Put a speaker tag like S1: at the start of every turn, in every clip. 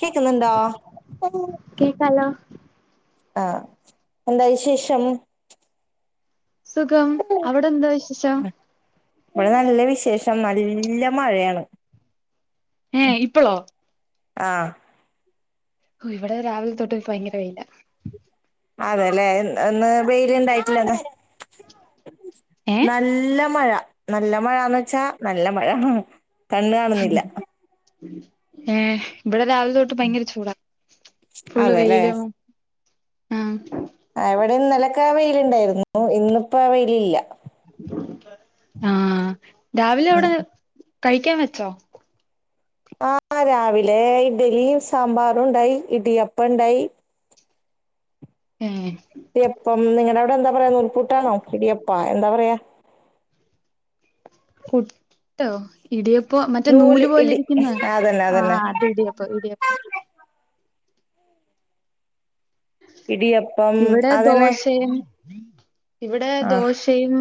S1: കേക്കുന്നുണ്ടോ?
S2: കേക്കാല്ലോ
S1: ആ എന്താ വിശേഷം
S2: സുഖം അവ്ടെ എന്തോ വിശേഷം
S1: ഇവടെ നല്ല വിശേഷം നല്ല മഴയാണ്
S2: ഏ ഇപ്പളോ
S1: ആഹ്
S2: ഓ ഇവ്ടെ രാവ്ൽ തൊട്ട് ഇൻക് ഭയങ്കര വെയിലാ
S1: അതെ ലേ ഇൻ ഇന്ന് വെയില് ണ്ടായിട്ടില്ലല്ലോ
S2: ഏ
S1: നല്ല മഴ നല്ല മഴാന്ന് വെച്ചാ നല്ല മഴ കണ്ണ് കാണുന്നില്ല
S2: ഏഹ് ഇബടെ രാവിലെ തൊട്ട് ഭയങ്കര ചൂടാ ഫുള്ള്
S1: അതെല്ലേ
S2: വെയിലും ആ
S1: ആ ഇവ്ടെ ഇന്നലക്കെ ആ വെയ്ല് ണ്ടായ്ര്ന്നു ഇന്ന് പ്പോ ആ വെയ്ല് ഇല്ല
S2: ആ രാവിലെ അവ്ടെ കഴിക്കാൻ വെച്ചോ
S1: ആ രാവിലെ ഇഡലിയും സാമ്പാറും ണ്ടായി ഇടിയപ്പ ണ്ടായി.
S2: ഏഹ്
S1: ഇടിയപ്പം നിങ്ങടെ അവ്ടെ എന്താ പറയാ നൂൽപൂട്ടാണോ ഇടിയപ്പാ എന്താ പറയാ.
S2: പുട്ടോ ഇടിയപ്പോ മറ്റേ നൂല് പോലെ ഇരിക്കുന്ന
S1: അതന്നെ
S2: ആ
S1: അതന്നെ
S2: അത് ഇടിയപ്പോ ഇടിയപ്പം
S1: ഇടിയപ്പം
S2: ഇവ്ടെ
S1: അതന്നെ
S2: ദോശയും ഇവ്ടെ
S1: ആഹ്
S2: ദോശയും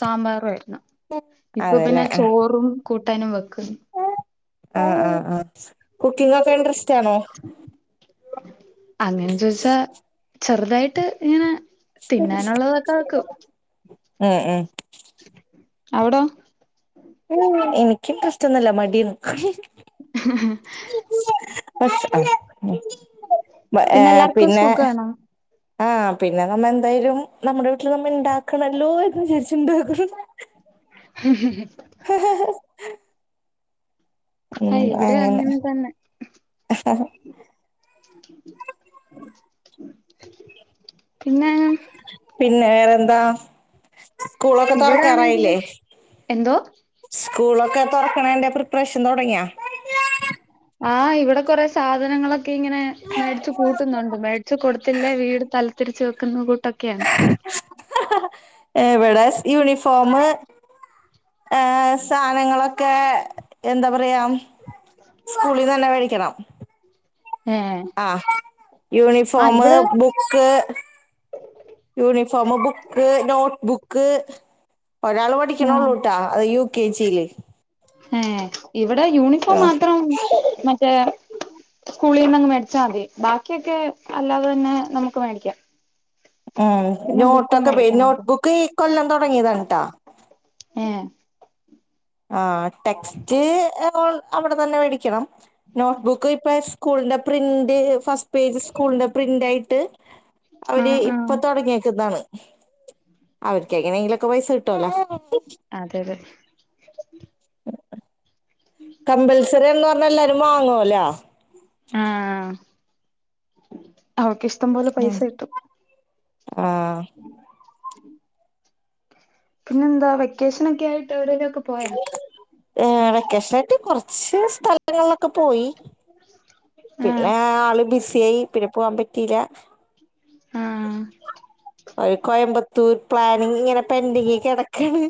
S2: സാമ്പാറും ആയ്ര്ന്ന് ഇപ്പൊ
S1: അതെല്ലേ
S2: പിന്നെ
S1: ആഹ്
S2: ചോറും. കൂട്ടാനും വെക്ക്.
S1: ആ ആ ആ കുക്കിങ്ങൊക്കെ ഇൻട്രസ്റ്റ് ആണോ.
S2: അങ്ങനെ ചോയ്ച്ചാ ചെറുതായിട്ട് ഇങ്ങനെ തിന്നാനുള്ളതൊക്കെ വെക്കും
S1: ഏഹ് ഏഹ്
S2: അവ്ടോ
S1: എനിയ്ക്ക് [unintelligible] ന്നൊല്ല മടീണ്
S2: ഹ് ഹ്
S1: ഏ
S2: പിന്നെ എല്ലാർക്കും
S1: പിന്നേ
S2: സുഖാണോ
S1: ആ പിന്നെ നമ്മ എന്തായാലും നമ്മുടെ വീട്ടില് നമ്മ ഇണ്ടാക്കണല്ലോ എന്ന് വിചാ രിച്ച് ഇണ്ടാക്കും.
S2: ഹും ഹും ഹും
S1: ഹ് ഹ് ഹ്
S2: ആ
S1: ഉം
S2: ഇവിടെ
S1: അങ്ങനെ
S2: തന്നെ
S1: അഹ്
S2: പിന്നെ
S1: പിന്നേ വേറെന്താ സ്കൂളൊക്കെ
S2: ഇവിടാണെങ്കില്
S1: തൊറക്കാറായില്ലേ.
S2: എന്തോ
S1: സ്കൂളൊക്കെ തൊറക്ക്ണേന്റെ പ്രിപ്പറേഷൻ തൊടങ്ങിയാ
S2: ആഹ് ഇവിടെ കുറെ സാധനങ്ങളൊ ക്കെ ഇങ്ങനെ മേടിച്ച്കൂട്ടുന്നുണ്ട് മേടിച്ച് കൊടുത്തില്ലെ വീട് തലത്തിരിച്ച് വെക്കുന്ന കൂട്ടൊക്കെയാണ്.
S1: എവടെ യൂണിഫോമ് ഏഹ് സാനങ്ങളൊക്കെ എന്താ പറയാ സ്കൂളിൽ തന്നെ കഴിക്കണം.
S2: ഏഹ്
S1: ആ uniform book uniform book notebook ഒരാൾ പഠിക്കണോള്ളുട്ടാ അത് യു കെ ജി ല്
S2: ഏഹ് ഇവിടെ യൂണിഫോം
S1: ആഹ്
S2: മാത്രം മറ്റേ സ്കൂളിന്നങ്ങ് മേടിച്ചാതി ബാക്കി ഒക്കെ അല്ലാതെന്നെ നമുക്ക് മേടിക്കാം
S1: ഏഹ്
S2: പിന്നെ ബുക്കും
S1: നോട്ടൊക്കെ പോയ്
S2: മേടിക്കണം
S1: നോട്ട്ബുക്ക് ഇക്കൊല്ലം തൊടങ്ങിയതാണ് ട്ടാ
S2: ഏഹ്
S1: ആഹ് ടെക്സ്റ്റ് എ അവിടെ തന്നെ മേടിക്കണം നോട്ട്ബുക്ക് ഇപ്പ സ്കൂളിന്റെ പ്രിന്റ് ഫസ്റ്റ് പേജ് സ്കൂളിന്റെ പ്രിൻ്റായിട്ട് അവര്
S2: ആഹ് ആഹ്
S1: പ്പ തൊടങ്ങിയക്കതാണ് അവർക്ക് എങ്ങനെയെങ്കിലുക്കെ പൈസ കിട്ടല്ലോ
S2: അതെ അതെ
S1: ഉഹ്
S2: ഉം
S1: കമ്പൾസറി എന്ന് പറഞ്ഞാ എല്ലാരും വാങ്ങോല്ലോ
S2: ആഹ് ഓക്കിശ്
S1: ഉം ആഹ്
S2: പിന്നെന്താ വെക്കേഷനൊക്കെ ആയിട്ട് എവിടെലൊക്കെ പോയാ
S1: ഏ വെക്കേഷനായിട്ട് കൊറച്ച് സ്ഥ ലങ്ങളിലൊക്കെ പോയി പിന്നെ
S2: ആഹ്
S1: ആള് ബിസ്യായി പിന്നെ പൊവാൻ പറ്റിലാ
S2: ആഹ്
S1: ഒര് കൊയമ്പത്തൂർ പ്ലാനിങ്ങ്ങനെ പെൻഡിങ്ങ്ക്കെട ക്കാണ്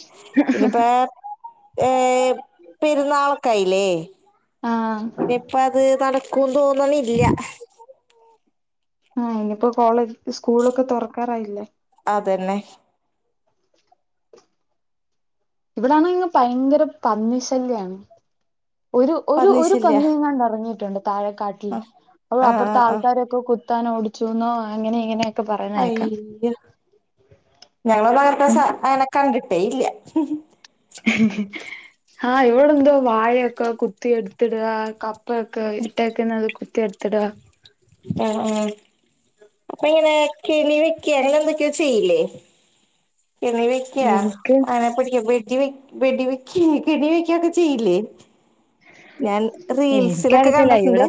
S1: ഇനിപ്പാ ഏർ പെരുന്നാളൊകായിലേ
S2: ആഹ്
S1: പ്പത് നടക്കുന്തോന്ന്ണില്ല
S2: ആ നിപ്പോ കോളേജ് സ്കൂളൊക്കെ തൊറക്കാറായില്ലെ
S1: അതന്നെ
S2: ഇവിടാണെങ്ങി ഭയങ്കര പന്നിശല്യാണ് ഒരു ഒരു ഒരു
S1: പന്നിശല്യ
S2: പന്നിയെങ്ങാണ്ടറങ്ങിയിട്ട്ണ്ട് താഴെക്കാട്ടില്
S1: ആഹ്
S2: അത്
S1: ആഹ്
S2: അപ്പുർത്തെ
S1: ആഹ് ആഹ്
S2: ആൾക്കാരൊക്ക കുത ത്താനോട്ചൂന്നോ അങ്ങനെ ഇങ്ങനെ
S1: അയ്യോ ഞങ്ങളട്ത്തസ
S2: ഉം
S1: അങ്ങനെ കണ്ടിട്ടേ ഇല്ല
S2: ഹാ ഇവിടെന്തോ വാഴ്യൊക്കെ കുത്തി എടുത്തിട കപ പ്പൊക്കെ ഇട്ടേക്കന്നത് കുത്തിയട്ത്തിട
S1: അ ആപ്പൊ ഇങ്ങനെ ക്കെണിവെക്കേ അങ്ങനെന്തൊക്കോ ചെയ്യിലേ കെണി വെക്യാ
S2: എനിക്ക്
S1: അയ്നെ പിടി വെടി വെക് വെടി വെക്കെ കെണി വെക്യാ എങ്ങനെക്കെ ചെയ്യില്ലേ ഞാൻ റീൽസ് ലൊക്കെ കണ്ടെട്ടുണ്ട്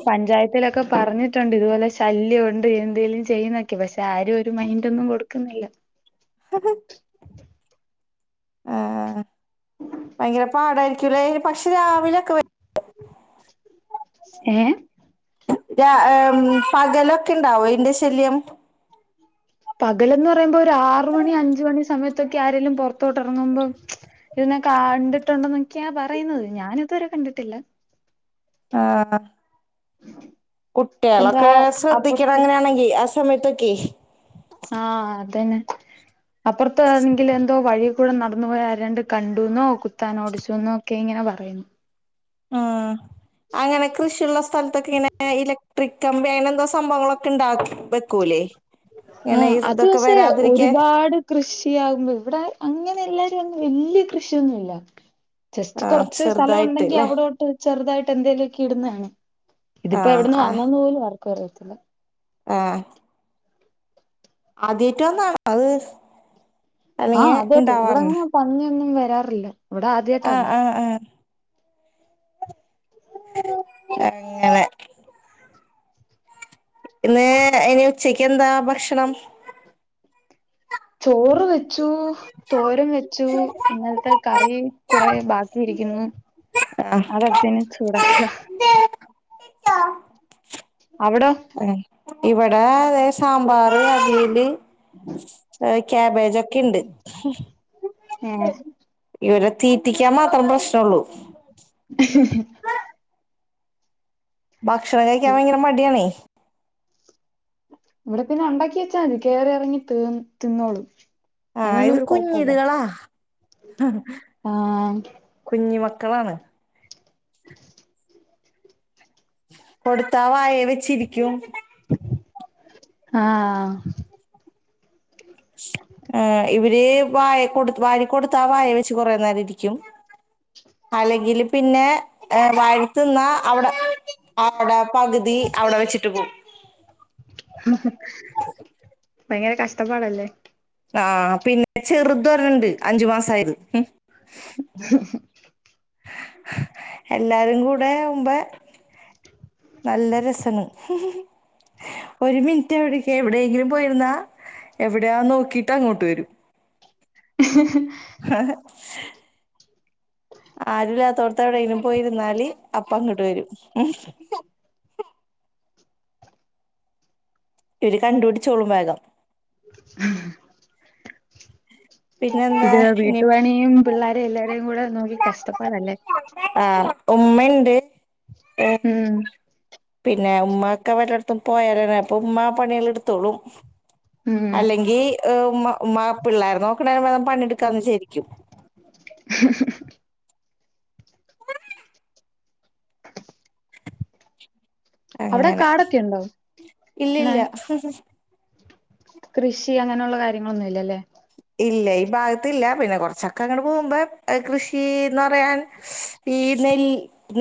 S2: ട്ടിലൊക്കെ പറഞ്ഞിട്ടുണ്ട് ഇതുപോലെ ശല്യവുണ്ട് എന്തെലും ചെയ്യുന്നൊക്കെ പക്ഷെ ആരൊരു മൈൻ്റൊന്നു കൊടു ക്കുന്നില്ല
S1: ഹ ഹ ആ ആ വയങ്കര പാടായിരിക്കുലേ പക്ഷെ രാവിലെ ഒക്കെ
S2: ഏഹ്
S1: രാ എം പകലൊക്കെണ്ടാവോ അയ്ന്റെ ശല്യം
S2: പകലെന്നറയുമ്പോ ഒരു ആറു മണി അഞ്ച് മണി സമയത്തൊക്കെ ആരെലും പൊറത്തോട്ടെറങ്ങുമ്പം ഇതിനെ കാണ്ടിട്ടുണ്ടന്നൊക്കെയാ പറയുന്നത് ഞാന് തുവരെ കണ്ടിട്ടില്ല
S1: ആഹ്
S2: എന്താ
S1: കുട്ടേളൊക്കെ
S2: അപ്പുറത്ത്
S1: ശ്രദ്ധിക്കണങ്ങനെയാണെങ്കി ആ സമയത്തൊക്കെ
S2: ആ അതെന്നെ അപ്പൊറത്താണെങ്കിൽ എന്തോ വഴി കൂടെ നടന്നു പോയ ആ രണ്ട് കണ്ടുന്നോ കുത്താനോടിച്ചുന്നോക്കെഇങ്ങനെ പറയുന്നു
S1: ആ അങ്ങനെ കൃഷിള്ള സ് സെൽത്തൊക്കെങ്ങനെ ഇലക്ട്രിക് കമ്പി ങ്ങനെന്തോ സംഭവങ്ങളൊക്കെണ്ടാക് വെക്കൂല്ലേ
S2: ആ അത് പഷെ ഒരുപാട് കൃഷിയാകുമ്പോൾ ഇവിടെ അങ്ങനെ എല്ലാവരും വല്യരു കൃഷിയൊന്നുമില്ല. ജെസ്റ്റ്
S1: ആഹ്
S2: കുറച്ച് സ്ഥലം
S1: ചെറുതായിട്ട്
S2: ഉണ്ടെങ്കിൽ
S1: ല്ലേ
S2: അവിടോട്ട് ചെറുതായിട്ട് എന്തേലുംക്കെ ഇടുന്നതാണ് ഇതിപ്പോ
S1: ആഹ്
S2: എവിടന്ന് വന്നന്ന് പോലും ആർക്കും അറിയത്തില്ല.
S1: ഏ ഹ് അദ്യായിട്ട് വന്നാതാണ് അഹ്.
S2: ആഹ് അതേ കേട്ട് ഇവിടെ അങ്ങനെ പന്നിയൊന്നും വരാറില്ല. ഇവിടെ ആദ്യായിട്ടാ
S1: ആഹ
S2: വന്നെ
S1: ആഹ ആഹ അങ്ങനെ ഇന്നെനെ അയ്നി ഉച്ചക്കെന്താ ഭക്ഷണം.
S2: ചോറ് വെച്ചു, തോരൻ വെച്ചു, ഇന്നലത്തെ കറിം കുറെ ബാക്കി ഇരിക്കുന്നു.
S1: അ ഹാ
S2: അത് അട്ച്ചയ്ഞ്ഞാ ചൂടാ ഹാ അവിടൊ
S1: ആഹ് ഇവിടെ അതെ സാമ്പാറ്, അവിയല്, അഹ് ക്യാബേജ് ഒക്കെ ഉണ്ട്.
S2: ഏഹ്
S1: ഇവരെ തീറ്റിക്കാൻ മാത്രം പ്രശ്നള്ളൂ.
S2: ഹ് ഹ്
S1: ഭക്ഷണം കഴിക്കാൻ ഭയങ്കര മടിയാണെയ്
S2: ഇവിടെ പിന്നെ ഉണ്ടാക്കി വെച്ചാമതി കേ റി എറങ്ങി തിന്നോളും.
S1: ആഹ
S2: അതിനൊന്നും
S1: ഇത്
S2: ഒരു കുഴപ്പമില്ല
S1: കുഞ്ഞ്തുകളാ
S2: ആഹ്
S1: കുഞ്ഞുമക്കളാണ്. കൊടുത്ത വായെ വെച്ചിരിക്കും.
S2: ആഹ
S1: ആ ഇവര് വായകൊടുത്ത വാരികൊടുത്ത ആ വായവെച്ച് കൊറെ നേരം ഇരിക്കും. അല്ലെങ്കിൽ പിന്നെ വാരിത്തിന്നാ അവിടെ അവിടെ പകുതി അവിടെ വെച്ചിട്ട് പോകും.
S2: ഹും ഹും ഭയങ്കര കഷ്ടപ്പാടല്ലേ?.
S1: ആഹ പിന്നെ ചെറുത് ഒരണ്ണണ്ട് അഞ്ചു മാസം ആയത്.
S2: ഹ്
S1: എല്ലാരും കൂടെ വുമ്പേ നല്ല രസൻ ഒരു മിൻറ്റ് എവിട്ക്കെ എവിടെങ്കിലും പോയിരുന്നാ എവിടെയാ നോക്കിട്ട് അങ്ങോട്ട് വരും
S2: ഹ് ഹ്
S1: ആഹ ആരുല്ലാത്തോട്ത്തെ എവിടെ പോയിരുന്നാല് അപ്പ അങ്ങട് വരും. ഇത് കണ്ടുപിടിച്ചോളും വേഗം
S2: ഹ
S1: പിന്നെന്താ
S2: ഇത്
S1: ഇനി
S2: വീട്ടുപണിയും, പിള്ളാരെയും എല്ലാരേയും കൂടെ നോക്കി കഷ്ടപ്പാടാല്ലേ?
S1: ആഹ് ഉമ്മണ്ട് ഏഹ്
S2: ഉം
S1: പിന്നെ ഉമ്മാക്ക് വല്ലടത്തും പോയാലന്നെ അപ്പ ഉമ്മാ പണികള് എടുത്തോളും
S2: ഉം
S1: അല്ലെങ്കി ഉമ്മ ഉമ്മാ പിള്ളേരെ നോക്കണേ പകരം പണിയെടുക്കാന്ന് വിജാരിക്കും.
S2: ഹ് ഹ് ഹ് അവിടെ
S1: അങ്ങനെ
S2: കാടൊക്കെ ഉണ്ടോ ഇങ്ങനെ
S1: ഇല്ലില്ല
S2: കൃഷി അങ്ങനെള്ള കാര്യങ്ങളൊന്നുല്ല ല്ലെ?
S1: ഇല്ല ഈ ഭാഗത്തില്ല പിന്നെ കൊർച്ചൊക്കെ അങ്ങട് പോകുമ്പോ കൃഷിന്ന് പറയാൻ ഈ നെൽ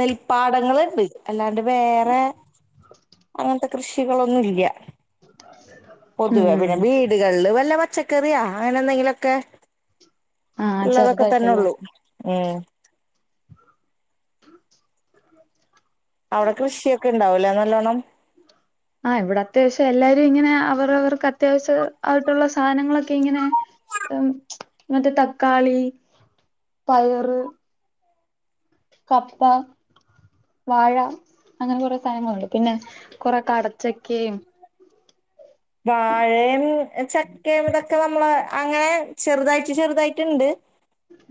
S1: നെൽപ്പാടങ്ങള്ണ്ട് അല്ലാണ്ട് വേറെ അങ്ങൻത്തെ കൃഷികളൊന്നു ഇല്ല പൊതുവേ പിന്നെ
S2: ഉം
S1: വീടുകളില് വല്ല പച്ചക്കറിയാ അങ്ങനെ എന്തെങ്കിലും ഒക്കെ
S2: ആഹ്
S1: ഇള്ളതക്ക തന്നെ
S2: ചെറുതായിട്ടല്ലേ
S1: ഒള്ളു ഉം അവിടെ കൃഷിക്കെ ഇണ്ടാവുംലെ നല്ലോണം?
S2: ആഹ് ഇവിടെ അത്യാവശ്യം എല്ലാരും ഇങ്ങനെ അവര വർക്ക് അത്യാവശ്യം ആയിട്ടുള്ള സാനങ്ങളൊക്കെ ഇങ്ങനെ മറ്റേ തക്കാളി, പയറ് കപ്പ വാഴ അങ്ങനെ കോറെ സാനങ്ങളുണ്ട് പിന്നെ കോറെ കടച്ചക്കേം
S1: വാഴിം, ചക്കയും ഇതൊക്കെ നമ്മള് അങ്ങനെ ചെറുതായിട്ട് ചെറുതായിട്ടുണ്ട്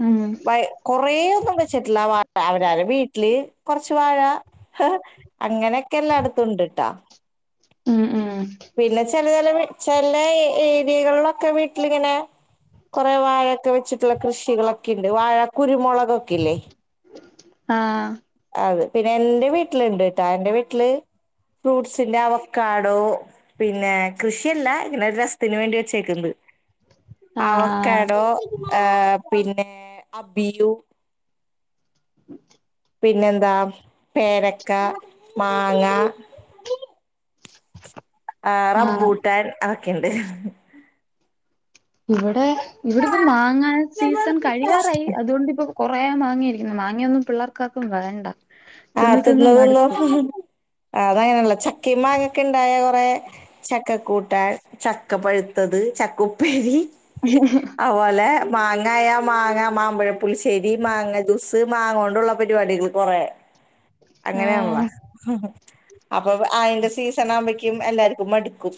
S2: ഉം
S1: പ കൊറെ ഒന്നും വെച്ചിട്ടില്ല വാഴ അവരവര വീട്ടില് കോർച്ച് വാഴ അങ്ങനെക്കെ എല്ലാടുത്തും ഉണ്ട്ട്ടാ
S2: ഉം ഉം
S1: പിന്നെ ചേല ചേല വീ ചെല ഏരിയകൾലൊക്കെ വീട്ടിലിങ്ങനെ കോറെ വാഴൊക്കെ വെച്ചിട്ടുള്ള കൃഷികളൊക്കെ ഇണ്ട് വാഴ കുരുമുളക് ഒക്കെ ഇല്ലേ
S2: ആഹ്
S1: അതെ പിന്നെ എൻ്റെ വീട്ടിലുണ്ട്ട്ടാ എൻ്റെ വീട്ടില് ഫ്രൂട്ട്സിന്റെ അവക്കാടോ പിന്നെ കൃഷിയല്ല ഇങ്ങനെ ഒരു രസത്തിന് വേണ്ടി വെച്ചേക്കുന്നത്
S2: ആഹ്
S1: അവക്കാടോ, ഏഹ് പിന്നെ അബിയു
S2: ഉ [inaudible]
S1: പിന്നെന്താ പേരക്ക, മാങ്ങ ആഹ് റംബ്ബൂട്ടാൻ അതൊക്കെണ്ട്
S2: ഇവടെ ഇവിടെപ്പോ മാങ്ങാ സീസൺ കഴിയാറായി അതു കൊണ്ടിപ്പോ കൊറേ മാങ്ങയിരിക്കുന്നു മാങ്ങയൊന്നും പിള്ളേർക്കാർക്കും വേണ്ട
S1: ആഹ്
S2: തിന്ന്
S1: തിന്നു തിന്ന്
S2: മടുത്ത്
S1: ആഹ് അതാണല്ലോ ചക്കേം മാങ്ങൊക്കെ ഇണ്ടായ കൊറെ ചക്കക്കൂട്ടാൻ ചക്ക പഴുത്തത് ചക്ക ഉപ്പേരി
S2: ഹ്ഹ്
S1: അതുപോലെ മാങ്ങായ മാങ്ങ മാമ്പഴപുളിശ്ശേരി മാങ്ങ ജൂസ് മാങ്ങ കൊണ്ടുള്ള പരിപാടികൾ കൊറേ അങ്ങനെയാണല്ലോ
S2: ആഹ്
S1: അപ്പൊ അയിന്റെ സീസൺ ആകുമ്പയേക്കും എല്ലാർക്കും മടുക്കും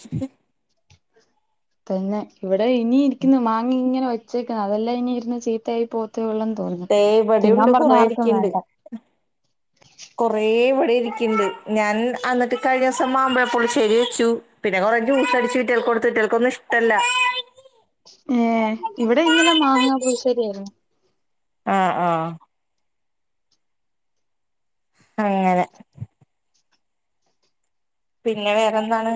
S2: തന്നെ ഇവിടെ ഇനി ഇരിക്കുന്നു മാങ്ങ ഇങ്ങനെ വെച്ചേക്കുന്നു അതെല്ലാം ഇനി ഇരുന്ന് ചീത്തയായി പോ ത്തേ ഉള്ളന്ന് തോന്നുന്നു
S1: ദേ ഇവിടെയുണ്ട്
S2: തിന്നാൻ പറഞ്ഞാ
S1: കൊറേ
S2: ആർക്കും
S1: ഇരിക്ക്ണ്ട്
S2: വേണ്ട
S1: [inaudible] കൊറേ ഇവിടെ ഇരിക്ക്ണ്ട് ഞാൻ അന്നിട്ട് കഴിഞ്ഞ ദിവസം മാമ്പഴപുളിശ്ശേരി വെച്ചു പിന്നെ കൊറേ ജൂസടിച്ച് ഇവറ്റകൾക്ക് കൊടുത്ത് ഇവറ്റകൾക്കൊന്നും ഇഷ്ടല്ല
S2: ഏഹ് ഇവിടെ ഇന്നലെ മാങ്ങാപുളിശ്ശേരി ആയിരുന്നു
S1: ആഹ് ആഹ് അങ്ങനെ പിന്നെ വേറെന്താണ്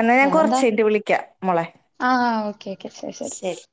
S1: എന്നാ ഞാൻ കൊറച്ച്
S2: വേറെന്താ
S1: കഴിഞ്ഞിട്ട് വിളിക്കാം മോളെ
S2: ആഹ് ഓക്കെ ഓക്കെ
S1: ശരി